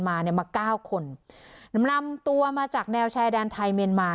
มาเก้าคนนำลำตัวมาจากแนวชายแดนไทยเมียนมา